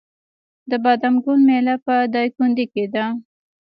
د بادام ګل میله په دایکنډي کې ده.